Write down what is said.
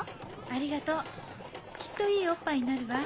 ありがとうきっといいオッパイになるわ。